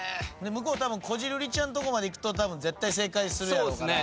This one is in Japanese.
向こうこじるりちゃんのとこまでいくとたぶん絶対正解するやろうから。